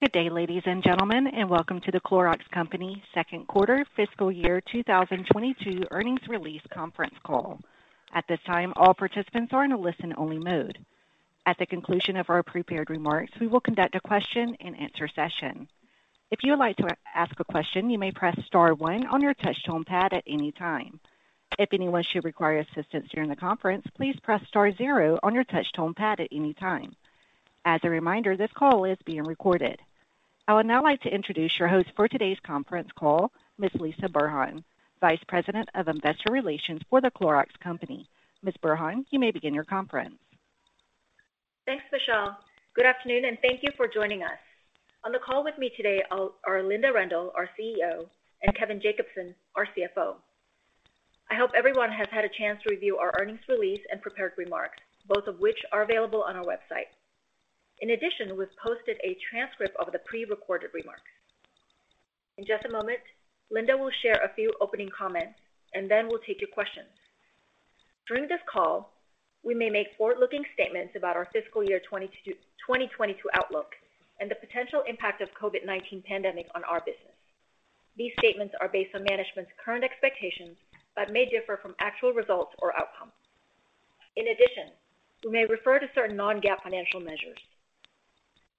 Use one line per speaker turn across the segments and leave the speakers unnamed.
Good day, ladies and gentlemen, and Welcome to The Clorox Company Second Quarter Fiscal Year 2022 Earnings Release Conference Call. At this time, all participants are in a listen-only mode. At the conclusion of our prepared remarks, we will conduct a question-and-answer session. If you would like to ask a question, you may press star one on your touchtone keypad at any time. If anyone should require assistance during the conference, please press star zero on your touchtone keypad at any time. As a reminder, this call is being recorded. I would now like to introduce your host for today's conference call, Ms. Lisah Burhan, Vice President of Investor Relations for The Clorox Company. Ms. Burhan, you may begin your conference.
Thanks, Michelle. Good afternoon, and thank you for joining us. On the call with me today are Linda Rendle, our CEO, and Kevin Jacobsen, our CFO. I hope everyone has had a chance to review our earnings release and prepared remarks, both of which are available on our website. In addition, we've posted a transcript of the prerecorded remarks. In just a moment, Linda will share a few opening comments, and then we'll take your questions. During this call, we may make forward-looking statements about our fiscal year 2022 outlook and the potential impact of COVID-19 pandemic on our business. These statements are based on management's current expectations, but may differ from actual results or outcomes. In addition, we may refer to certain non-GAAP financial measures.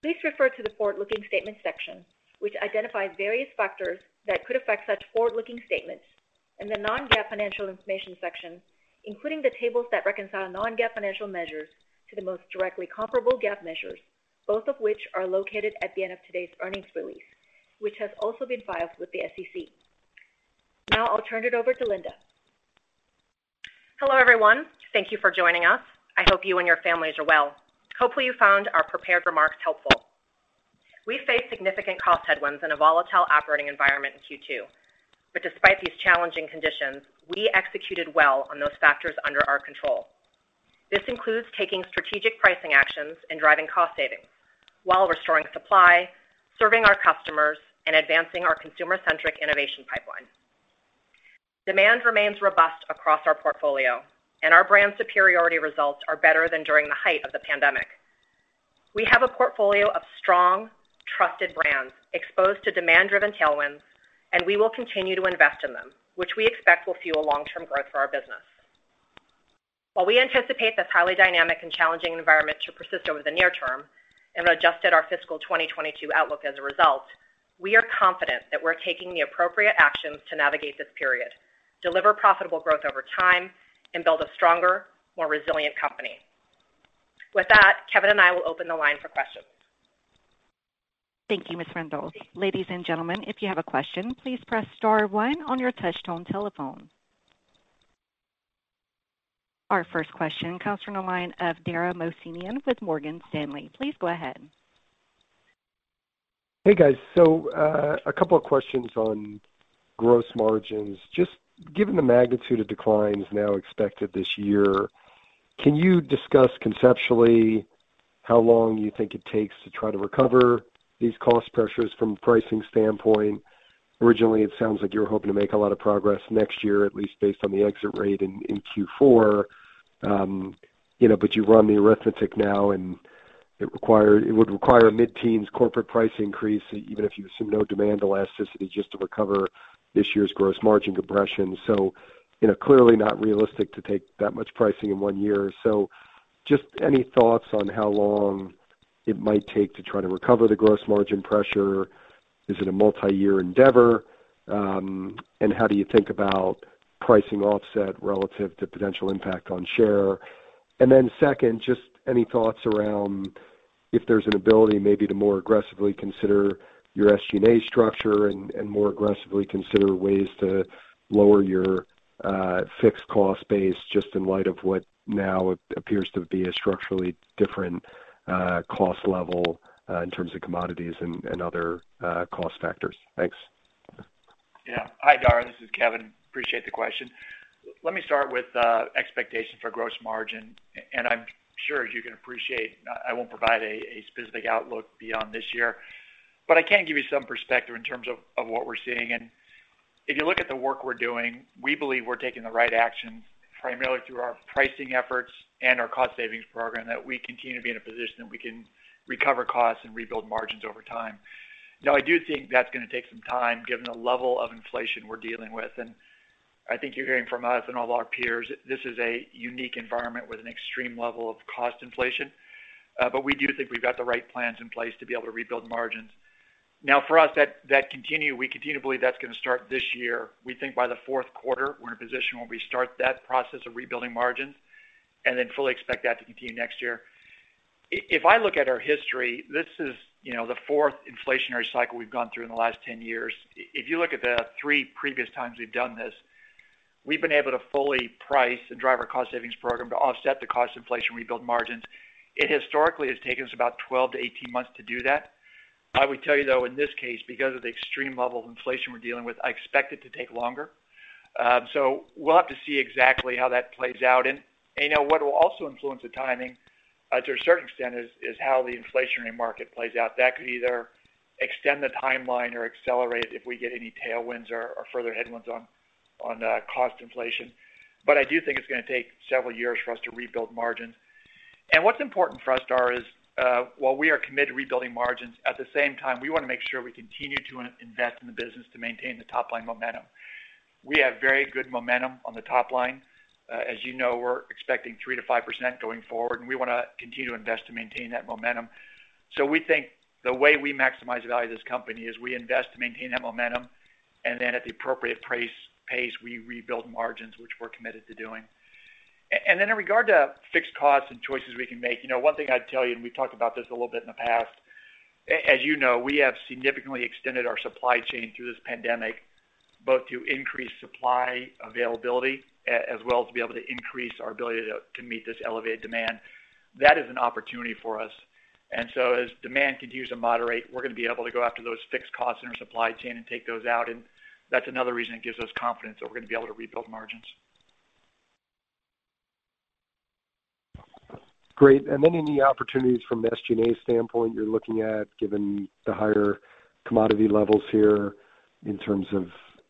Please refer to the Forward-Looking Statements section, which identifies various factors that could affect such forward-looking statements, and the Non-GAAP Financial Information section, including the tables that reconcile non-GAAP financial measures to the most directly comparable GAAP measures, both of which are located at the end of today's earnings release, which has also been filed with the SEC. Now, I'll turn it over to Linda.
Hello, everyone. Thank you for joining us. I hope you and your families are well. Hopefully, you found our prepared remarks helpful. We faced significant cost headwinds in a volatile operating environment in Q2. Despite these challenging conditions, we executed well on those factors under our control. This includes taking strategic pricing actions and driving cost savings while restoring supply, serving our customers, and advancing our consumer-centric innovation pipeline. Demand remains robust across our portfolio, and our brand superiority results are better than during the height of the pandemic. We have a portfolio of strong, trusted brands exposed to demand-driven tailwinds, and we will continue to invest in them, which we expect will fuel long-term growth for our business. While we anticipate this highly dynamic and challenging environment to persist over the near term and have adjusted our fiscal 2022 outlook as a result, we are confident that we're taking the appropriate actions to navigate this period, deliver profitable growth over time, and build a stronger, more resilient company. With that, Kevin and I will open the line for questions.
Thank you, Ms. Rendle. Ladies and gentlemen, if you have a question, please press star one on your touchtone telephone. Our first question comes from the line of Dara Mohsenian with Morgan Stanley. Please go ahead.
Hey, guys. A couple of questions on gross margins. Just given the magnitude of declines now expected this year, can you discuss conceptually how long you think it takes to try to recover these cost pressures from a pricing standpoint? Originally, it sounds like you were hoping to make a lot of progress next year, at least based on the exit rate in Q4, you know, but you've run the arithmetic now, and it would require a mid-teens corporate price increase, even if you assume no demand elasticity just to recover this year's gross margin compression. Clearly not realistic to take that much pricing in one year. Just any thoughts on how long it might take to try to recover the gross margin pressure? Is it a multiyear endeavor? How do you think about pricing offset relative to potential impact on share? Second, just any thoughts around if there's an ability maybe to more aggressively consider your SG&A structure and more aggressively consider ways to lower your fixed cost base just in light of what now appears to be a structurally different cost level in terms of commodities and other cost factors? Thanks.
Yeah. Hi, Dara. This is Kevin. Appreciate the question. Let me start with expectations for gross margin, and I'm sure as you can appreciate, I won't provide a specific outlook beyond this year. I can give you some perspective in terms of what we're seeing. If you look at the work we're doing, we believe we're taking the right actions, primarily through our pricing efforts and our cost savings program, that we continue to be in a position that we can recover costs and rebuild margins over time. I do think that's gonna take some time, given the level of inflation we're dealing with. I think you're hearing from us and all of our peers, this is a unique environment with an extreme level of cost inflation. We do think we've got the right plans in place to be able to rebuild margins. Now for us, that we continue to believe that's gonna start this year. We think by the fourth quarter, we're in a position where we start that process of rebuilding margins and then fully expect that to continue next year. If I look at our history, this is, you know, the fourth inflationary cycle we've gone through in the last 10 years. If you look at the 3x previous we've done this, we've been able to fully price and drive our cost savings program to offset the cost inflation, rebuild margins. It historically has taken us about 12-18 months to do that. I would tell you, though, in this case, because of the extreme level of inflation we're dealing with, I expect it to take longer. We'll have to see exactly how that plays out. You know, what will also influence the timing to a certain extent is how the inflationary market plays out. That could either extend the timeline or accelerate if we get any tailwinds or further headwinds on cost inflation. I do think it's gonna take several years for us to rebuild margins. What's important for us, Dara, is while we are committed to rebuilding margins, at the same time, we wanna make sure we continue to invest in the business to maintain the top line momentum. We have very good momentum on the top line. As you know, we're expecting 3%-5% going forward, and we wanna continue to invest to maintain that momentum. We think the way we maximize the value of this company is we invest to maintain that momentum, and then at the appropriate pace, we rebuild margins, which we're committed to doing. In regard to fixed costs and choices we can make, you know, one thing I'd tell you, and we've talked about this a little bit in the past, as you know, we have significantly extended our supply chain through this pandemic, both to increase supply availability, as well as to be able to increase our ability to meet this elevated demand. That is an opportunity for us. As demand continues to moderate, we're gonna be able to go after those fixed costs in our supply chain and take those out, and that's another reason it gives us confidence that we're gonna be able to rebuild margins.
Great. Any opportunities from an SG&A standpoint you're looking at, given the higher commodity levels here in terms of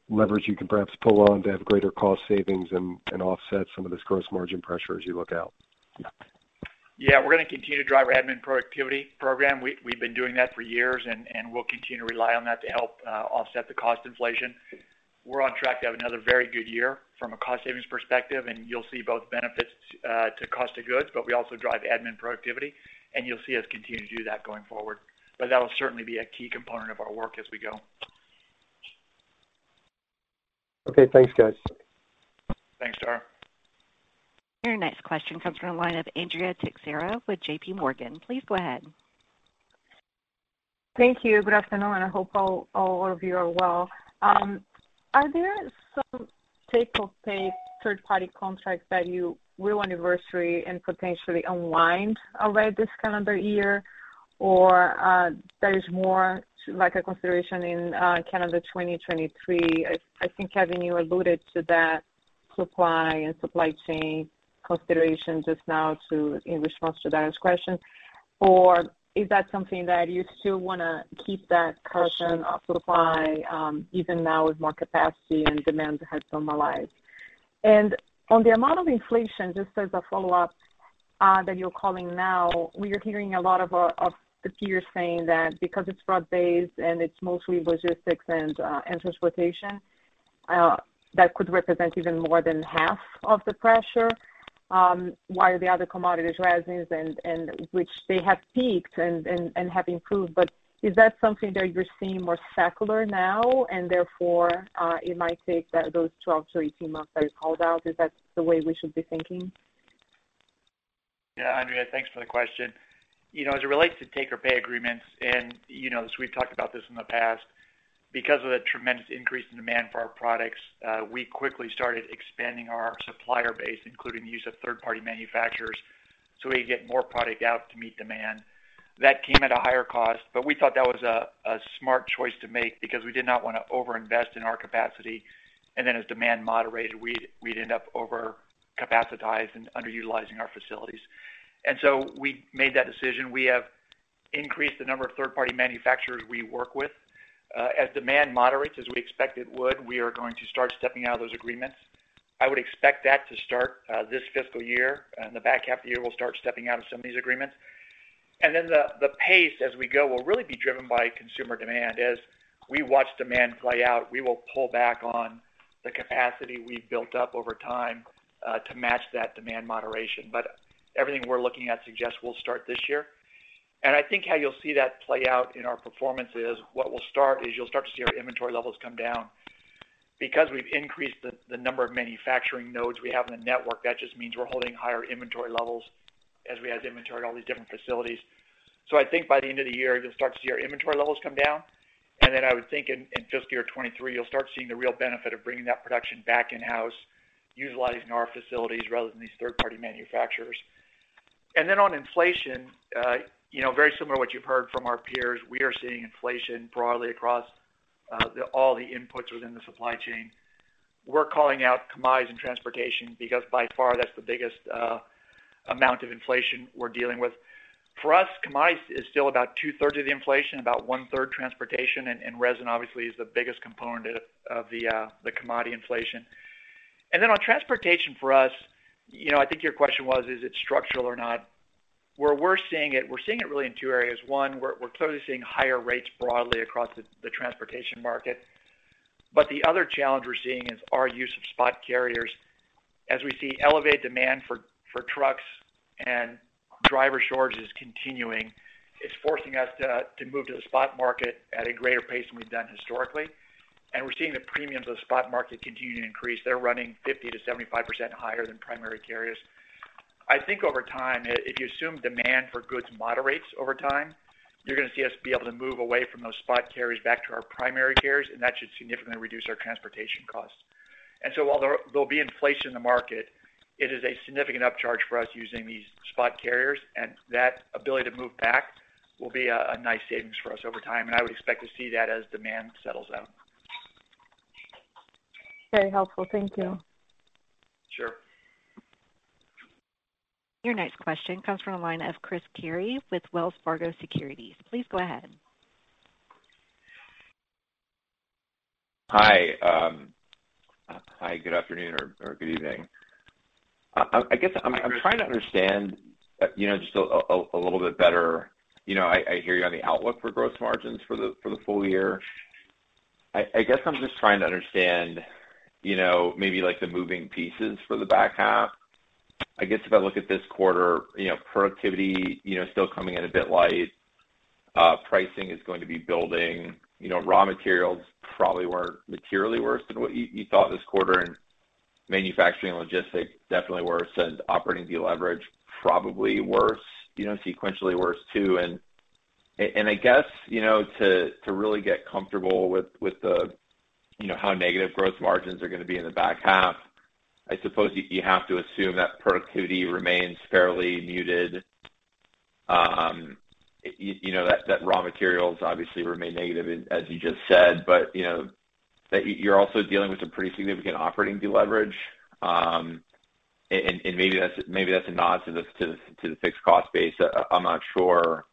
leverage you can perhaps pull on to have greater cost savings and offset some of this gross margin pressure as you look out?
Yeah. We're gonna continue to drive our admin productivity program. We've been doing that for years and we'll continue to rely on that to help offset the cost inflation. We're on track to have another very good year from a cost savings perspective, and you'll see both benefits to cost of goods, but we also drive admin productivity, and you'll see us continue to do that going forward. That'll certainly be a key component of our work as we go.
Okay. Thanks, guys.
Thanks, Dara.
Your next question comes from the line of Andrea Teixeira with J.P. Morgan. Please go ahead.
Thank you. Good afternoon, and I hope all of you are well. Are there some take or pay third party contracts that you will anniversary and potentially unwind over this calendar year? Or there is more to like a consideration in calendar 2023? I think, Kevin, you alluded to that supply chain consideration just now in response to Dara's question. Or is that something that you still wanna keep that cushion of supply even now with more capacity and demand has normalized? On the amount of inflation, just as a follow-up, that you're calling now, we are hearing a lot of the peers saying that because it's broad-based and it's mostly logistics and transportation, that could represent even more than half of the pressure, while the other commodities, resins and have peaked and have improved. Is that something that you're seeing more secular now, and therefore, it might take those 12-18 months that you called out? Is that the way we should be thinking?
Yeah. Andrea, thanks for the question. You know, as it relates to take-or-pay agreements, and you know this, we've talked about this in the past, because of the tremendous increase in demand for our products, we quickly started expanding our supplier base, including the use of third-party manufacturers, so we could get more product out to meet demand. That came at a higher cost, but we thought that was a smart choice to make because we did not wanna over-invest in our capacity, and then as demand moderated, we'd end up over-capacitated and underutilizing our facilities. We made that decision. We have increased the number of third-party manufacturers we work with. As demand moderates, as we expect it would, we are going to start stepping out of those agreements. I would expect that to start this fiscal year. In the back half of the year, we'll start stepping out of some of these agreements. The pace as we go will really be driven by consumer demand. As we watch demand play out, we will pull back on the capacity we've built up over time to match that demand moderation. Everything we're looking at suggests we'll start this year. I think how you'll see that play out in our performance is you'll start to see our inventory levels come down. Because we've increased the number of manufacturing nodes we have in the network, that just means we're holding higher inventory levels as we add inventory at all these different facilities. I think by the end of the year, you'll start to see our inventory levels come down. I would think in fiscal year 2023, you'll start seeing the real benefit of bringing that production back in-house, utilizing our facilities rather than these third-party manufacturers. On inflation, you know, very similar to what you've heard from our peers, we are seeing inflation broadly across all the inputs within the supply chain. We're calling out commodities and transportation because by far that's the biggest amount of inflation we're dealing with. For us, commodities is still about two-thirds of the inflation, about one-third transportation, and resin obviously is the biggest component of the commodity inflation. On transportation for us, you know, I think your question was, is it structural or not? Where we're seeing it, we're seeing it really in two areas. One, we're clearly seeing higher rates broadly across the transportation market. The other challenge we're seeing is our use of spot carriers. As we see elevated demand for trucks and driver shortage is continuing, it's forcing us to move to the spot market at a greater pace than we've done historically. We're seeing the premiums of spot market continue to increase. They're running 50%-75% higher than primary carriers. I think over time, if you assume demand for goods moderates over time, you're gonna see us be able to move away from those spot carriers back to our primary carriers, and that should significantly reduce our transportation costs. While there'll be inflation in the market, it is a significant upcharge for us using these spot carriers, and that ability to move back will be a nice savings for us over time, and I would expect to see that as demand settles out.
Very helpful. Thank you.
Sure.
Your next question comes from the line of Chris Carey with Wells Fargo Securities. Please go ahead.
Hi, hi, good afternoon or good evening. I guess I'm trying to understand, you know, just a little bit better. You know, I hear you on the outlook for gross margins for the full year. I guess I'm just trying to understand, you know, maybe like the moving pieces for the back half. I guess if I look at this quarter, you know, productivity, you know, still coming in a bit light. Pricing is going to be building. You know, raw materials probably were materially worse than what you thought this quarter. Manufacturing and logistics definitely worse than operating deleverage, probably worse, you know, sequentially worse too. I guess, you know, to really get comfortable with the, you know, how negative gross margins are gonna be in the back half, I suppose you have to assume that productivity remains fairly muted. You know that raw materials obviously remain negative as you just said, but you know that you're also dealing with some pretty significant operating deleverage. Maybe that's a nod to the fixed cost base. I'm not sure.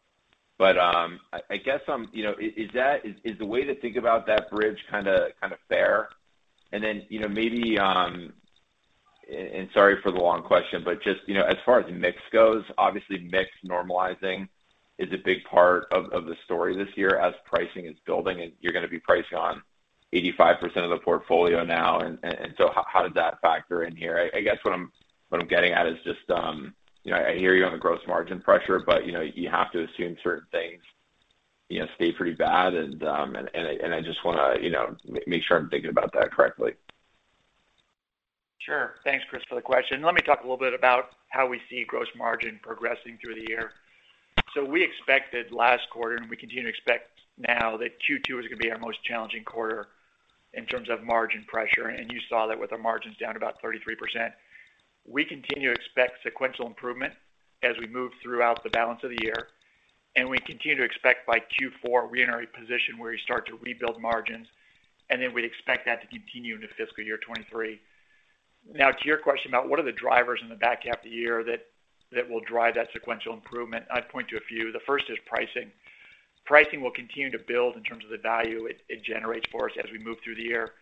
I guess, you know, is that the way to think about that bridge kinda fair? You know, sorry for the long question, but just you know, as far as mix goes, obviously mix normalizing is a big part of the story this year as pricing is building and you're gonna be pricing on 85% of the portfolio now. How does that factor in here? I guess what I'm getting at is just you know, I hear you on the gross margin pressure, but you know, you have to assume certain things you know, stay pretty bad. I just wanna you know, make sure I'm thinking about that correctly.
Sure. Thanks, Chris, for the question. Let me talk a little bit about how we see gross margin progressing through the year. We expected last quarter, and we continue to expect now that Q2 is gonna be our most challenging quarter in terms of margin pressure. You saw that with our margins down about 33%. We continue to expect sequential improvement as we move throughout the balance of the year, and we continue to expect by Q4, we enter a position where we start to rebuild margins, and then we expect that to continue into fiscal year 2023. Now to your question about what are the drivers in the back half of the year that will drive that sequential improvement, I'd point to a few. The first is pricing. Pricing will continue to build in terms of the value it generates for us as we move through the year.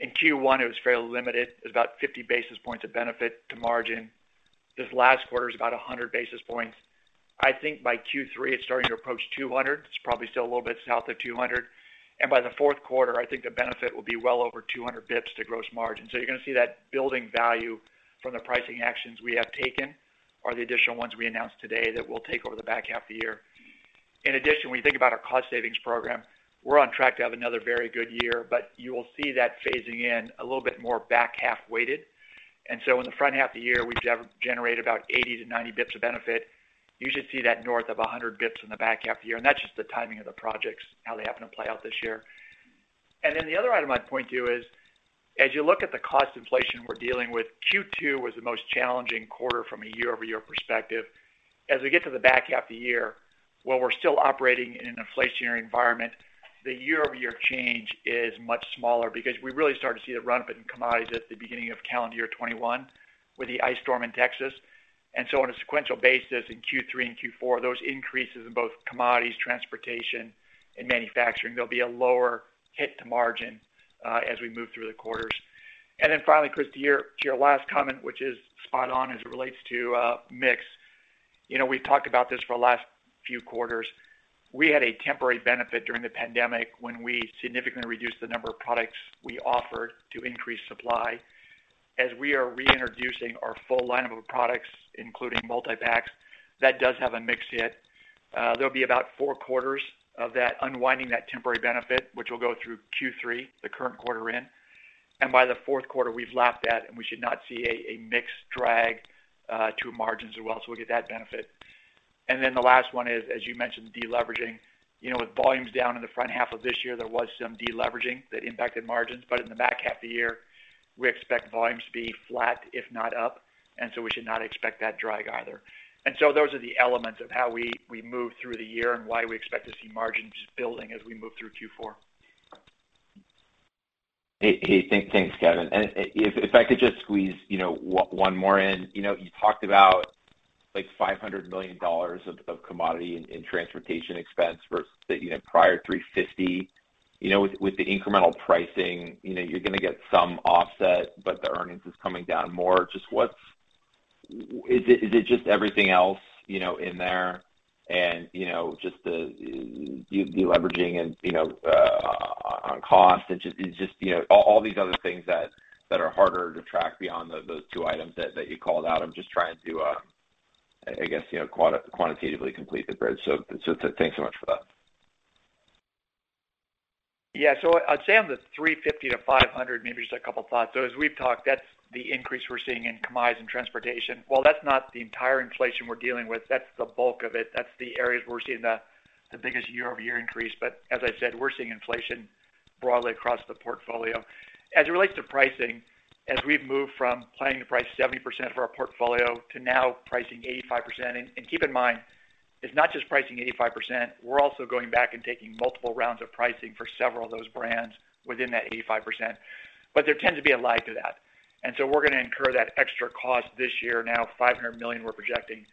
In Q1, it was fairly limited. It was about 50 basis points of benefit to margin. This last quarter is about 100 basis points. I think by Q3, it's starting to approach 200. It's probably still a little bit south of 200. By the fourth quarter, I think the benefit will be well over 200 basis points to gross margin. You're gonna see that building value from the pricing actions we have taken or the additional ones we announced today that we'll take over the back half of the year. In addition, when you think about our cost savings program, we're on track to have another very good year. You will see that phasing in a little bit more back half weighted. In the front half of the year, we generate about 80 bps-90 bps of benefit. You should see that north of 100 bps in the back half of the year, and that's just the timing of the projects, how they happen to play out this year. The other item I'd point to is, as you look at the cost inflation we're dealing with, Q2 was the most challenging quarter from a year-over-year perspective. As we get to the back half of the year, while we're still operating in an inflationary environment, the year-over-year change is much smaller because we really started to see the run-up in commodities at the beginning of calendar year 2021 with the ice storm in Texas. On a sequential basis in Q3 and Q4, those increases in both commodities, transportation, and manufacturing, there'll be a lower hit to margin as we move through the quarters. Finally, Chris, to your last comment, which is spot on as it relates to mix. You know, we've talked about this for the last few quarters. We had a temporary benefit during the pandemic when we significantly reduced the number of products we offered to increase supply. As we are reintroducing our full line of products, including multi-packs, that does have a mix hit. There'll be about four quarters of that unwinding that temporary benefit, which will go through Q3, the current quarter in. By the fourth quarter, we've lapped that, and we should not see a mix drag to margins as well. We'll get that benefit. Then the last one is, as you mentioned, deleveraging. You know, with volumes down in the front half of this year, there was some deleveraging that impacted margins. In the back half of the year, we expect volumes to be flat, if not up. We should not expect that drag either. Those are the elements of how we move through the year and why we expect to see margins building as we move through Q4.
Hey, thanks, Kevin. If I could just squeeze, you know, one more in. You know, you talked about like $500 million of commodity and transportation expense versus the, you know, prior $350 million. You know, with the incremental pricing, you know, you're gonna get some offset, but the earnings is coming down more. Just what's. Is it just everything else, you know, in there and, you know, just the deleveraging and, you know, on cost and just, you know, all these other things that are harder to track beyond those two items that you called out? I'm just trying to, I guess, you know, quantitatively complete the bridge. Thanks so much for that.
Yeah. I'd say on the $350 million-$500 million, maybe just a couple thoughts. As we've talked, that's the increase we're seeing in commodities and transportation. While that's not the entire inflation we're dealing with, that's the bulk of it. That's the areas where we're seeing the biggest year-over-year increase. As I said, we're seeing inflation broadly across the portfolio. As it relates to pricing, as we've moved from planning to price 70% of our portfolio to now pricing 85%. Keep in mind it's not just pricing 85%, we're also going back and taking multiple rounds of pricing for several of those brands within that 85%. There tends to be a lag to that. We're gonna incur that extra cost this year. $500 million we're projecting.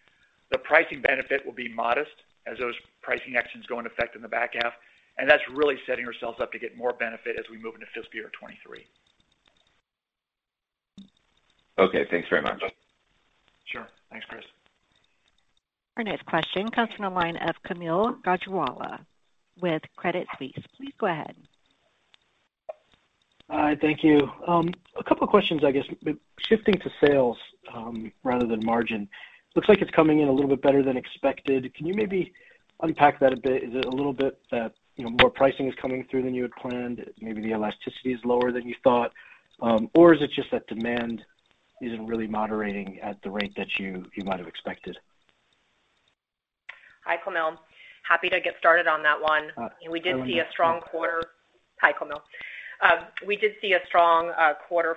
The pricing benefit will be modest as those pricing actions go in effect in the back half, and that's really setting ourselves up to get more benefit as we move into fiscal year 2023.
Okay, thanks very much.
Sure. Thanks, Chris.
Our next question comes from the line of Kaumil Gajrawala with Credit Suisse. Please go ahead.
Hi, thank you. A couple of questions, I guess. Shifting to sales, rather than margin. Looks like it's coming in a little bit better than expected. Can you maybe unpack that a bit? Is it a little bit that, you know, more pricing is coming through than you had planned? Maybe the elasticity is lower than you thought? Or is it just that demand isn't really moderating at the rate that you might have expected?
Hi, Kaumil. Happy to get started on that one. We did see a strong quarter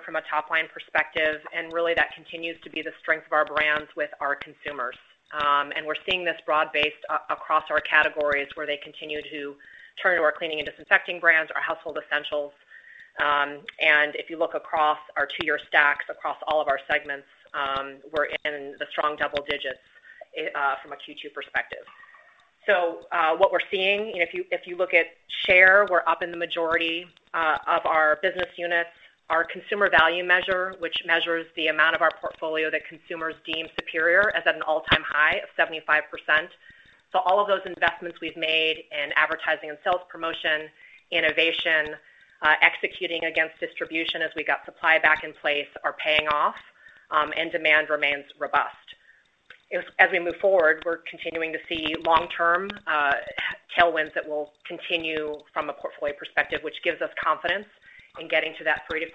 from a top line perspective, and really that continues to be the strength of our brands with our consumers. We're seeing this broad-based across our categories where they continue to turn to our cleaning and disinfecting brands, our household essentials. If you look across our two-year stacks across all of our segments, we're in the strong double digits from a Q2 perspective. What we're seeing, and if you look at share, we're up in the majority of our business units. Our consumer value measure, which measures the amount of our portfolio that consumers deem superior, is at an all-time high of 75%. All of those investments we've made in advertising and sales promotion, innovation, executing against distribution as we got supply back in place are paying off, and demand remains robust. As we move forward, we're continuing to see long-term tailwinds that will continue from a portfolio perspective, which gives us confidence in getting to that 3%-5%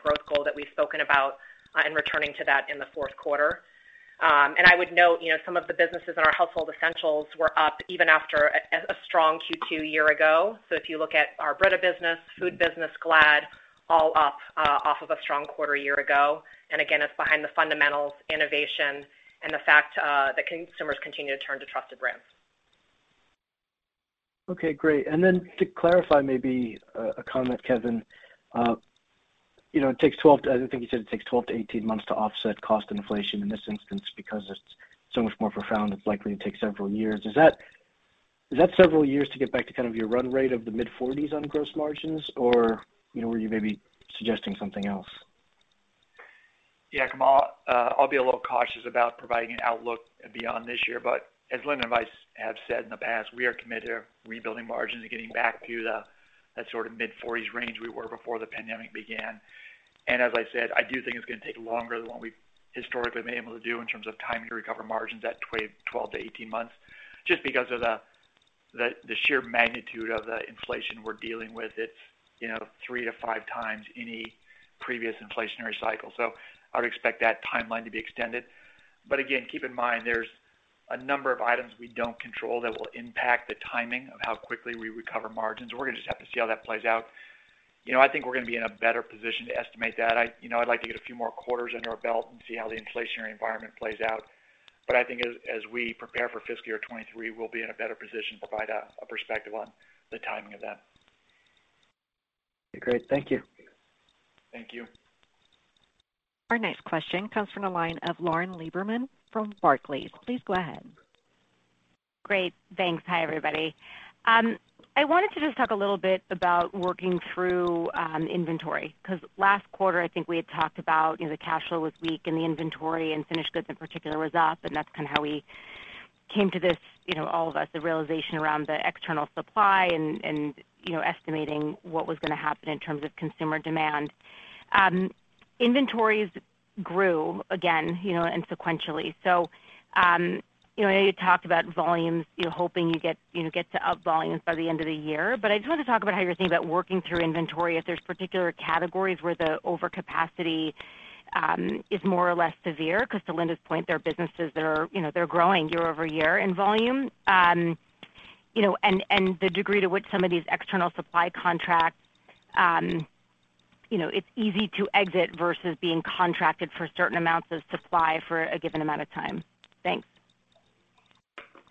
growth goal that we've spoken about in returning to that in the fourth quarter. I would note, you know, some of the businesses in our household essentials were up even after a strong Q2 a year ago. If you look at our Brita business, food business, Glad, all up, off of a strong quarter a year ago. Again, it's behind the fundamentals, innovation and the fact that consumers continue to turn to trusted brands.
Okay, great. To clarify maybe a comment, Kevin, you know, it takes 12 to 18 months to offset cost inflation in this instance because it's so much more profound. It's likely to take several years. Is that several years to get back to kind of your run rate of the mid-40s% on gross margins, or were you maybe suggesting something else?
Yeah, Kaumil, I'll be a little cautious about providing an outlook beyond this year. As Linda and I have said in the past, we are committed to rebuilding margins and getting back to that sort of mid-40s% range we were before the pandemic began. As I said, I do think it's gonna take longer than what we historically have been able to do in terms of timing to recover margins at 12-18 months, just because of the sheer magnitude of the inflation we're dealing with. It's you know 3x-5x any previous inflationary cycle. I would expect that timeline to be extended. Again, keep in mind, there's a number of items we don't control that will impact the timing of how quickly we recover margins. We're gonna just have to see how that plays out. You know, I think we're gonna be in a better position to estimate that. I, you know, I'd like to get a few more quarters under our belt and see how the inflationary environment plays out. I think as we prepare for fiscal year 2023, we'll be in a better position to provide a perspective on the timing of that.
Great. Thank you.
Thank you.
Our next question comes from the line of Lauren Lieberman from Barclays. Please go ahead.
Great. Thanks. Hi, everybody. I wanted to just talk a little bit about working through inventory, 'cause last quarter, I think we had talked about, you know, the cash flow was weak and the inventory and finished goods in particular was up, and that's kind of how we came to this, you know, all of us, the realization around the external supply and, you know, estimating what was gonna happen in terms of consumer demand. Inventories grew again, you know, and sequentially. You know, you talked about volumes, you're hoping you get, you know, get to up volumes by the end of the year. I just want to talk about how you're thinking about working through inventory, if there's particular categories where the overcapacity is more or less severe, 'cause to Linda's point, there are businesses that are, you know, they're growing year-over-year in volume. You know, and the degree to which some of these external supply contracts, you know, it's easy to exit versus being contracted for certain amounts of supply for a given amount of time. Thanks.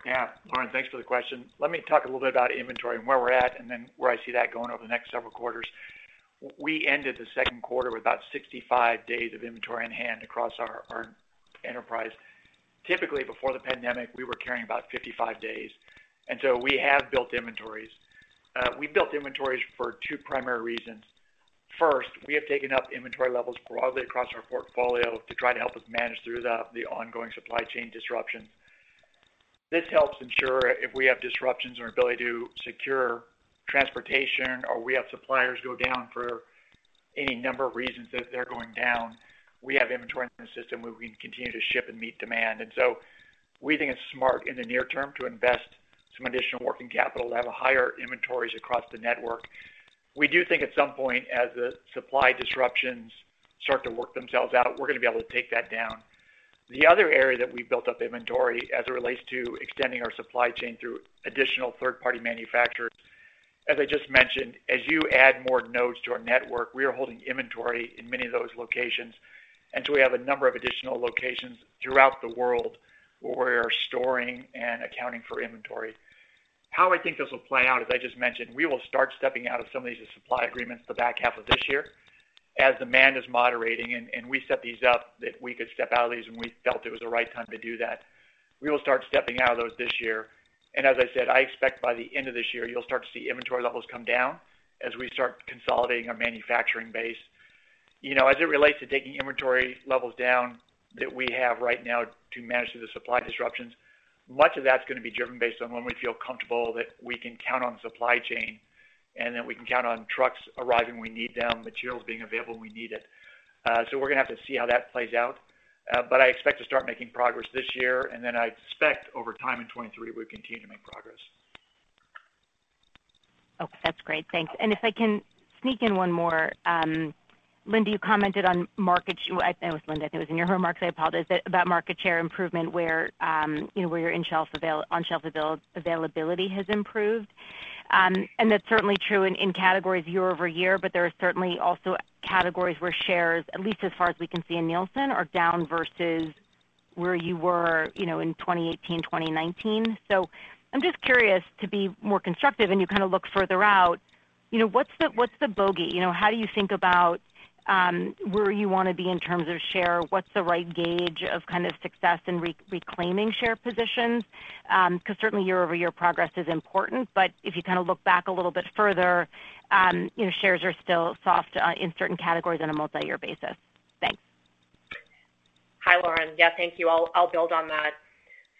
Yeah. Lauren, thanks for the question. Let me talk a little bit about inventory and where we're at, and then where I see that going over the next several quarters. We ended the second quarter with about 65 days of inventory on hand across our enterprise. Typically, before the pandemic, we were carrying about 55 days, and so we have built inventories. We built inventories for two primary reasons. First, we have taken up inventory levels broadly across our portfolio to try to help us manage through the ongoing supply chain disruptions. This helps ensure if we have disruptions in our ability to secure transportation or we have suppliers go down for any number of reasons that they're going down, we have inventory in the system where we can continue to ship and meet demand. We think it's smart in the near term to invest some additional working capital to have higher inventories across the network. We do think at some point as the supply disruptions start to work themselves out, we're gonna be able to take that down. The other area that we built up inventory as it relates to extending our supply chain through additional third-party manufacturers. As I just mentioned, as you add more nodes to our network, we are holding inventory in many of those locations, and so we have a number of additional locations throughout the world where we are storing and accounting for inventory. How I think this will play out, as I just mentioned, we will start stepping out of some of these supply agreements the back half of this year as demand is moderating, and we set these up that we could step out of these when we felt it was the right time to do that. We will start stepping out of those this year. As I said, I expect by the end of this year, you'll start to see inventory levels come down as we start consolidating our manufacturing base. Y ou know, as it relates to taking inventory levels down that we have right now to manage the supply disruptions, much of that's gonna be driven based on when we feel comfortable that we can count on supply chain and that we can count on trucks arriving when we need them, materials being available when we need it. We're gonna have to see how that plays out. I expect to start making progress this year, and then I expect over time in 2023, we continue to make progress.
Okay. That's great. Thanks. If I can sneak in one more. Linda, you commented on market—I know it's Linda, it was in your remarks, I apologize, about market share improvement where, you know, where your on-shelf availability has improved. That's certainly true in categories year-over-year, but there are certainly also categories where shares, at least as far as we can see in Nielsen, are down versus where you were, you know, in 2018, 2019. I'm just curious to be more constructive, and you kinda look further out, you know, what's the bogey? You know, how do you think about, where you wanna be in terms of share? What's the right gauge of kind of success in reclaiming share positions? Because certainly year-over-year progress is important, but if you kinda look back a little bit further, you know, shares are still soft in certain categories on a multi-year basis. Thanks.
Hi, Lauren. Yeah, thank you. I'll build on that.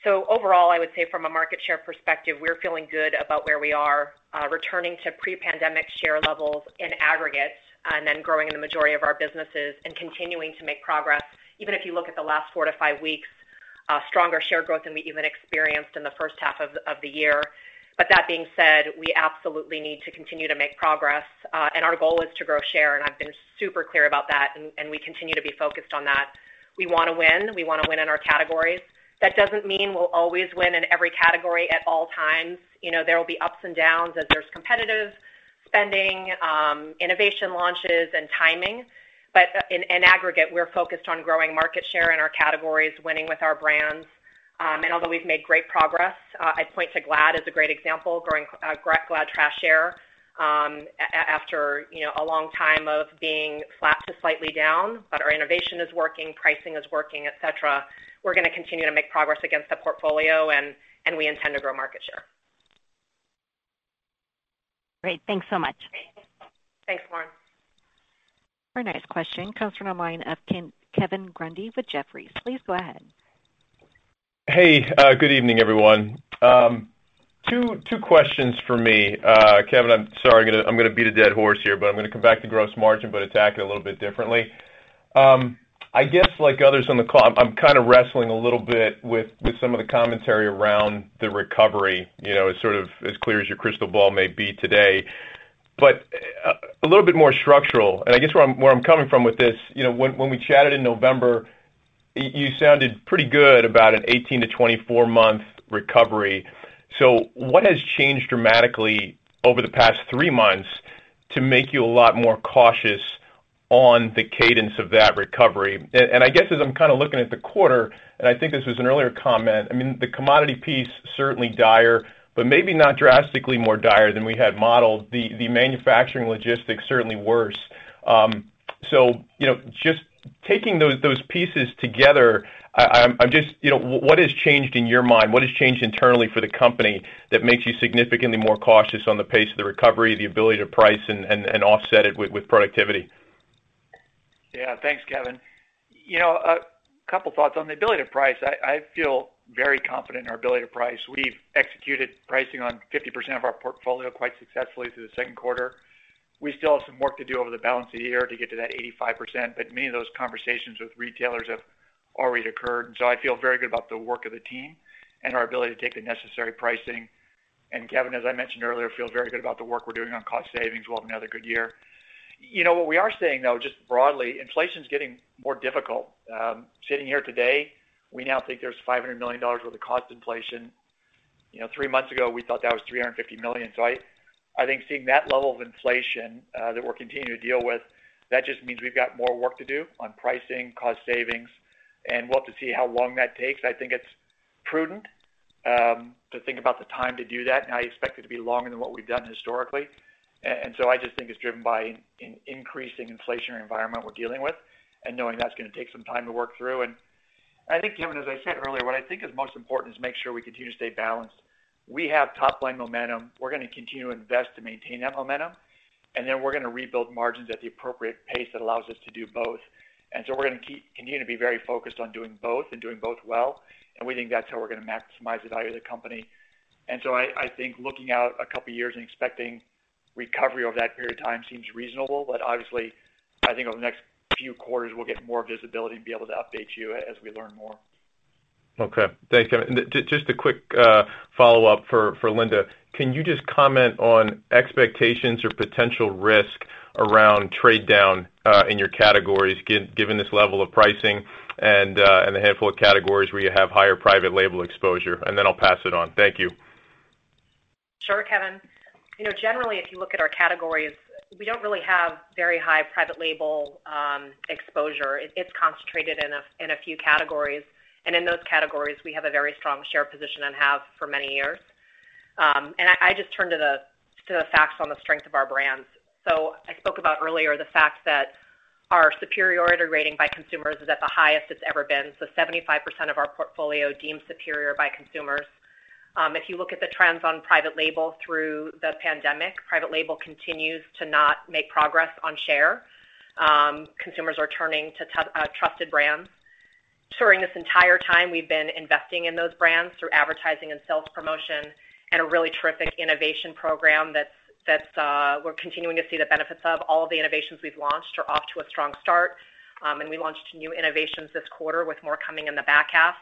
Overall, I would say from a market share perspective, we're feeling good about where we are, returning to pre-pandemic share levels in aggregate and then growing in the majority of our businesses and continuing to make progress. Even if you look at the last 4-5 weeks, stronger share growth than we even experienced in the first half of the year. That being said, we absolutely need to continue to make progress, and our goal is to grow share, and I've been super clear about that, and we continue to be focused on that. We wanna win. We wanna win in our categories. That doesn't mean we'll always win in every category at all times. You know, there will be ups and downs as there's competitive spending, innovation launches and timing. In aggregate, we're focused on growing market share in our categories, winning with our brands. Although we've made great progress, I'd point to Glad as a great example, growing Glad trash share, after you know, a long time of being flat to slightly down. Our innovation is working, pricing is working, et cetera. We're gonna continue to make progress against the portfolio, and we intend to grow market share.
Great. Thanks so much.
Thanks, Lauren.
Our next question comes from the line of Kevin Grundy with Jefferies. Please go ahead.
Hey, good evening, everyone. Two questions for me. Kevin, I'm sorry, I'm gonna beat a dead horse here, but I'm gonna come back to gross margin, but attack it a little bit differently. I guess like others on the call, I'm kinda wrestling a little bit with some of the commentary around the recovery, you know, as clear as your crystal ball may be today. But a little bit more structural, and I guess where I'm coming from with this, you know, when we chatted in November, you sounded pretty good about an 18-24-month recovery. What has changed dramatically over the past three months to make you a lot more cautious on the cadence of that recovery? I guess as I'm kinda looking at the quarter, and I think this was an earlier comment, I mean, the commodity piece certainly dire, but maybe not drastically more dire than we had modeled. The manufacturing logistics certainly worse. You know, just taking those pieces together, what has changed in your mind? What has changed internally for the company that makes you significantly more cautious on the pace of the recovery, the ability to price and offset it with productivity?
Yeah. Thanks, Kevin. You know, a couple thoughts. On the ability to price, I feel very confident in our ability to price. We've executed pricing on 50% of our portfolio quite successfully through the second quarter. We still have some work to do over the balance of the year to get to that 85%, but many of those conversations with retailers have already occurred. I feel very good about the work of the team and our ability to take the necessary pricing. Kevin, as I mentioned earlier, I feel very good about the work we're doing on cost savings. We'll have another good year. You know, what we are seeing, though, just broadly, inflation's getting more difficult. Sitting here today, we now think there's $500 million worth of cost inflation. You know, three months ago, we thought that was $350 million. I think seeing that level of inflation that we're continuing to deal with, that just means we've got more work to do on pricing, cost savings, and we'll have to see how long that takes. I think it's prudent to think about the time to do that, and I expect it to be longer than what we've done historically. I just think it's driven by an increasing inflationary environment we're dealing with and knowing that's gonna take some time to work through. I think, Kevin, as I said earlier, what I think is most important is make sure we continue to stay balanced. We have top-line momentum. We're gonna continue to invest to maintain that momentum, and then we're gonna rebuild margins at the appropriate pace that allows us to do both. We're gonna continue to be very focused on doing both and doing both well, and we think that's how we're gonna maximize the value of the company. I think looking out a couple of years and expecting recovery over that period of time seems reasonable. Obviously, I think over the next few quarters, we'll get more visibility and be able to update you as we learn more.
Okay. Thanks, Kevin. Just a quick follow-up for Linda. Can you just comment on expectations or potential risk around trade down in your categories given this level of pricing and the handful of categories where you have higher private label exposure? Then I'll pass it on. Thank you.
Sure, Kevin. You know, generally, if you look at our categories, we don't really have very high private label exposure. It's concentrated in a few categories. In those categories, we have a very strong share position and have for many years. I just turn to the facts on the strength of our brands. I spoke about earlier the fact that our superiority rating by consumers is at the highest it's ever been. 75% of our portfolio deemed superior by consumers. If you look at the trends on private label through the pandemic, private label continues to not make progress on share. Consumers are turning to trusted brands. During this entire time, we've been investing in those brands through advertising and sales promotion and a really terrific innovation program that's we're continuing to see the benefits of all of the innovations we've launched are off to a strong start. We launched new innovations this quarter with more coming in the back half.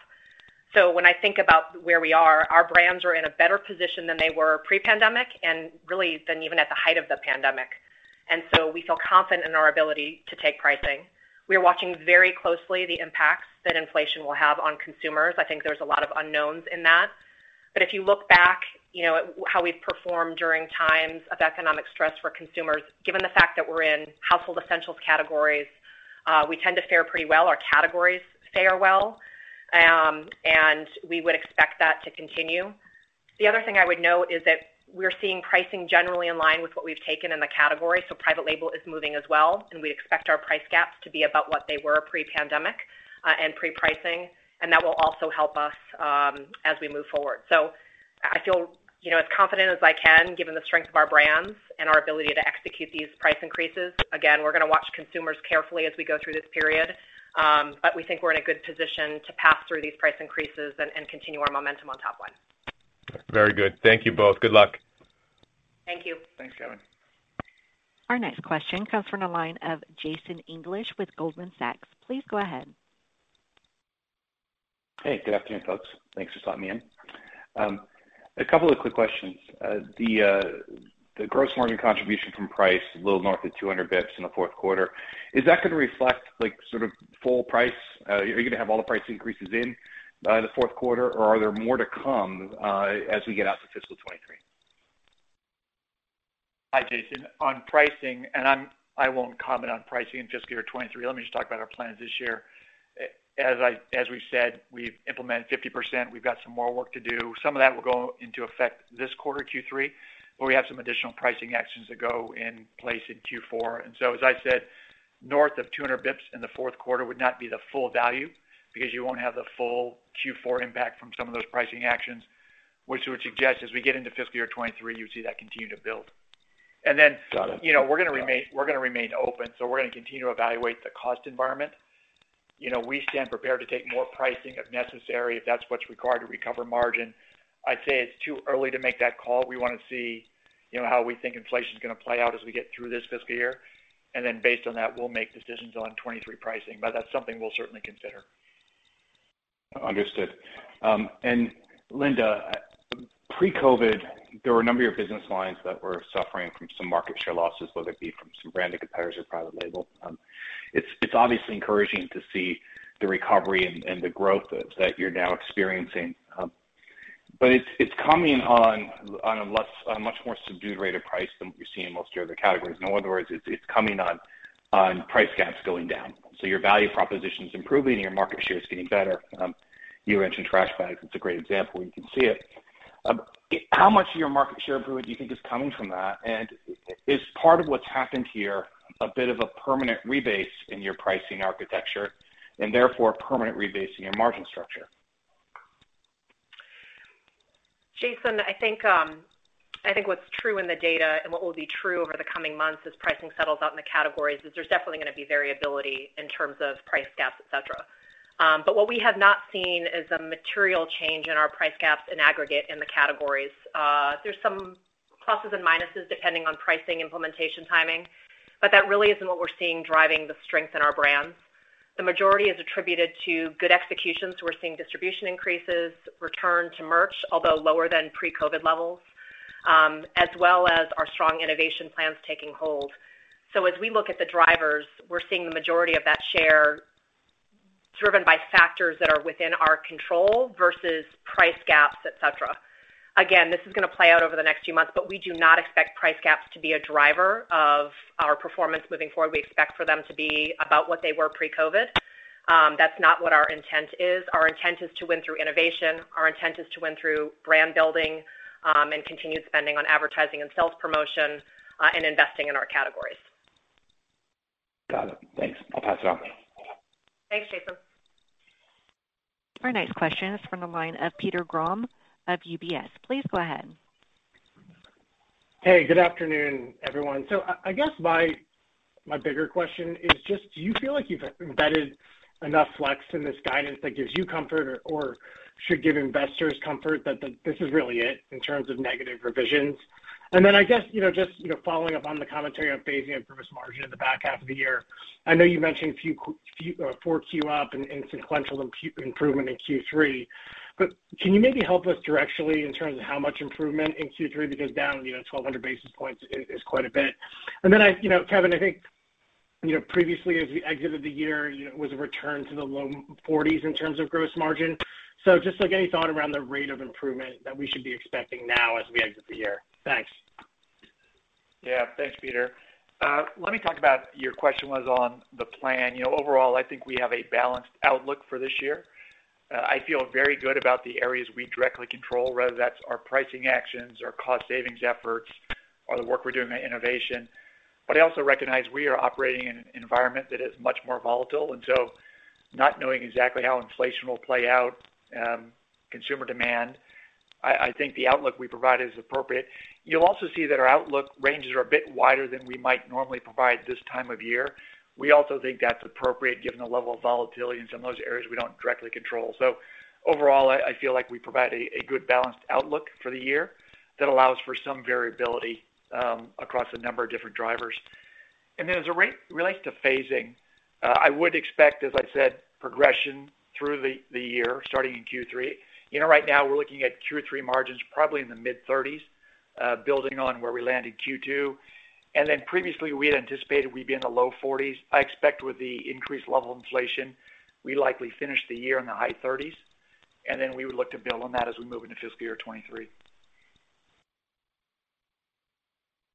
When I think about where we are, our brands are in a better position than they were pre-pandemic and really than even at the height of the pandemic. We feel confident in our ability to take pricing. We are watching very closely the impacts that inflation will have on consumers. I think there's a lot of unknowns in that. If you look back, you know, at how we've performed during times of economic stress for consumers, given the fact that we're in household essentials categories, we tend to fare pretty well. Our categories fare well. And we would expect that to continue. The other thing I would note is that we're seeing pricing generally in line with what we've taken in the category, so private label is moving as well, and we expect our price gaps to be about what they were pre-pandemic, and pre-pricing, and that will also help us, as we move forward. I feel, you know, as confident as I can, given the strength of our brands and our ability to execute these price increases. Again, we're gonna watch consumers carefully as we go through this period, but we think we're in a good position to pass through these price increases and continue our momentum on top line.
Very good. Thank you both. Good luck.
Thank you.
Thanks, Kevin.
Our next question comes from the line of Jason English with Goldman Sachs. Please go ahead.
Hey, good afternoon, folks. Thanks for letting me in. A couple of quick questions. The gross margin contribution from price, a little north of 200 bps in the fourth quarter, is that gonna reflect, like, sort of full price? Are you gonna have all the price increases in the fourth quarter, or are there more to come as we get out to fiscal 2023?
Hi, Jason. On pricing, I won't comment on pricing in fiscal year 2023. Let me just talk about our plans this year. As we've said, we've implemented 50%. We've got some more work to do. Some of that will go into effect this quarter, Q3, but we have some additional pricing actions that go in place in Q4. As I said, north of 200 bps in the fourth quarter would not be the full value because you won't have the full Q4 impact from some of those pricing actions, which would suggest as we get into fiscal year 2023, you would see that continue to build.
Got it.
You know, we're gonna remain open, so we're gonna continue to evaluate the cost environment. You know, we stand prepared to take more pricing if necessary, if that's what's required to recover margin. I'd say it's too early to make that call. We wanna see, you know, how we think inflation is gonna play out as we get through this fiscal year. Based on that, we'll make decisions on 2023 pricing. That's something we'll certainly consider.
Understood. Linda, pre-COVID, there were a number of your business lines that were suffering from some market share losses, whether it be from some branded competitors or private label. It's obviously encouraging to see the recovery and the growth that you're now experiencing. It's coming on a much more subdued rate of price than what you see in most of the other categories. In other words, it's coming on price gaps going down. Your value proposition is improving, your market share is getting better. You mentioned trash bags. It's a great example where you can see it. How much of your market share improvement do you think is coming from that? Is part of what's happened here a bit of a permanent rebase in your pricing architecture and therefore a permanent rebase in your margin structure?
Jason, I think what's true in the data and what will be true over the coming months as pricing settles out in the categories is there's definitely gonna be variability in terms of price gaps, et cetera. What we have not seen is a material change in our price gaps in aggregate in the categories. There's some pluses and minuses, depending on pricing, implementation, timing, but that really isn't what we're seeing driving the strength in our brands. The majority is attributed to good execution, so we're seeing distribution increases, return to merch, although lower than pre-COVID levels, as well as our strong innovation plans taking hold. As we look at the drivers, we're seeing the majority of that share driven by factors that are within our control versus price gaps, et cetera. Again, this is gonna play out over the next few months, but we do not expect price gaps to be a driver of our performance moving forward. We expect for them to be about what they were pre-COVID. That's not what our intent is. Our intent is to win through innovation. Our intent is to win through brand building, and continued spending on advertising and sales promotion, and investing in our categories.
Got it. Thanks. I'll pass it on.
Thanks, Jason.
Our next question is from the line of Peter Grom of UBS. Please go ahead.
Hey, good afternoon, everyone. I guess my bigger question is just, do you feel like you've embedded enough flex in this guidance that gives you comfort or should give investors comfort that this is really it in terms of negative revisions? I guess, you know, just, you know, following up on the commentary on phasing improved margin in the back half of the year, I know you mentioned Q4 up and sequential improvement in Q3, but can you maybe help us directionally in terms of how much improvement in Q3? Because, you know, down 1,200 basis points is quite a bit. You know, Kevin, I think you know, previously as we exited the year, you know, was a return to the low 40s in terms of gross margin. Just like any thought around the rate of improvement that we should be expecting now as we exit the year. Thanks.
Yeah. Thanks, Peter. Let me talk about your question was on the plan. You know, overall, I think we have a balanced outlook for this year. I feel very good about the areas we directly control, whether that's our pricing actions or cost savings efforts or the work we're doing in innovation. I also recognize we are operating in an environment that is much more volatile, and so not knowing exactly how inflation will play out, consumer demand, I think the outlook we provide is appropriate. You'll also see that our outlook ranges are a bit wider than we might normally provide this time of year. We also think that's appropriate given the level of volatility in some of those areas we don't directly control. Overall, I feel like we provide a good balanced outlook for the year that allows for some variability across a number of different drivers. As it relates to phasing, I would expect, as I said, progression through the year starting in Q3. You know, right now we're looking at Q3 margins probably in the mid-30s%, building on where we land in Q2. Previously we had anticipated we'd be in the low 40s%. I expect with the increased level of inflation, we likely finish the year in the high 30s%, and then we would look to build on that as we move into fiscal year 2023.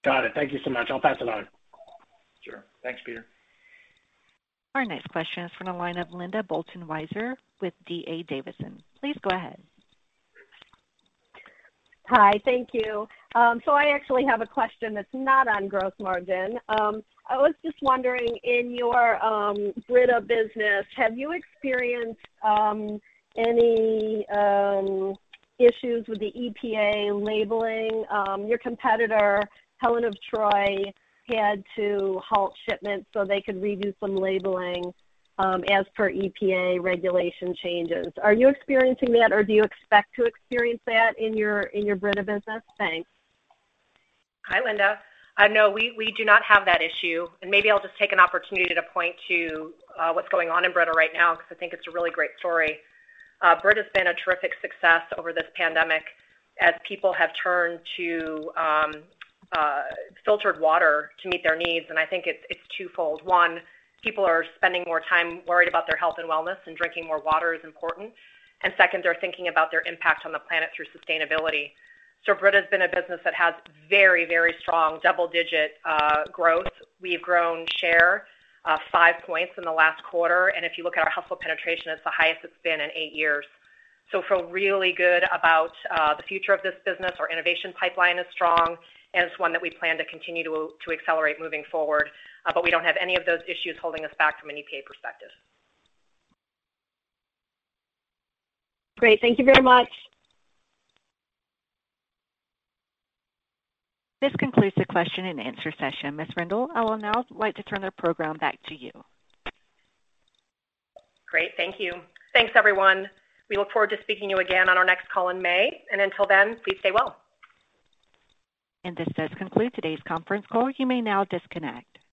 Got it. Thank you so much. I'll pass it on.
Sure. Thanks, Peter.
Our next question is from the line of Linda Bolton Weiser with D.A. Davidson. Please go ahead.
Hi. Thank you. I actually have a question that's not on gross margin. I was just wondering, in your Brita business, have you experienced any issues with the EPA labeling? Your competitor, Helen of Troy, had to halt shipments so they could redo some labeling, as per EPA regulation changes. Are you experiencing that, or do you expect to experience that in your Brita business? Thanks.
Hi, Linda. No, we do not have that issue. Maybe I'll just take an opportunity to point to what's going on in Brita right now, 'cause I think it's a really great story. Brita's been a terrific success over this pandemic as people have turned to filtered water to meet their needs, and I think it's twofold. One, people are spending more time worried about their health and wellness, and drinking more water is important. Second, they're thinking about their impact on the planet through sustainability. Brita has been a business that has very, very strong double-digit growth. We've grown share five points in the last quarter, and if you look at our household penetration, it's the highest it's been in eight years. I feel really good about the future of this business. Our innovation pipeline is strong, and it's one that we plan to continue to accelerate moving forward. We don't have any of those issues holding us back from an EPA perspective.
Great. Thank you very much.
This concludes the question and answer session. Ms. Rendle, I will now like to turn the program back to you.
Great. Thank you. Thanks, everyone. We look forward to speaking to you again on our next call in May. Until then, please stay well.
This does conclude today's conference call. You may now disconnect.